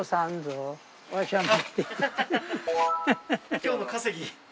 今日の稼ぎ。